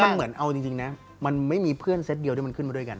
มันเหมือนเอาจริงนะมันไม่มีเพื่อนเซ็ตเดียวที่มันขึ้นมาด้วยกัน